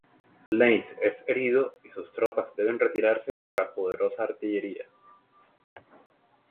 Lannes es herido y sus tropas deben retirarse por la poderosa artillería.